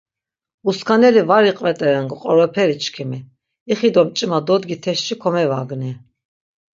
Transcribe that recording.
Uskaneli var iqvet̆eren qoroperi çkimi, ixi do mç̆ima dodgitesşi komevagni.